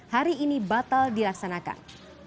hari ini batal dilaksanakan